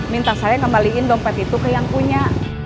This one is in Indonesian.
minta saya kembaliin dompet itu ke yang punya